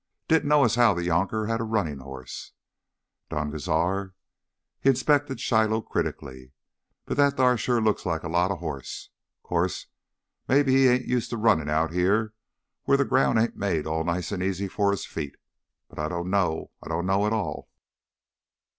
"Didn't know as how th' younker had him a runnin' hoss, Don Cazar." He inspected Shiloh critically. "But that thar sure looks a lotta hoss. 'Course maybe he ain't used t' runnin' out here whar th' ground ain't made all nice an' easy fur his feet. But I dunno, I dunno at all."